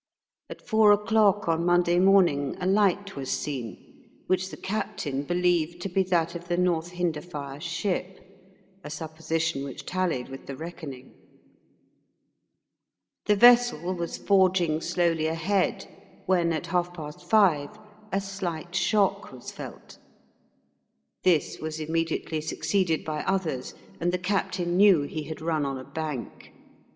At four o'clock on Monday morning a light was seen, which the captain believed to be that of the North Hinderfire ship, a supposition which tallied with the reckoning. The vessel was forging slowly ahead, when, at half past five, a slight shock was felt. This was immediately succeeded by others, and the captain knew he had run on a bank.